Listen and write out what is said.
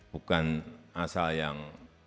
bukan asal yang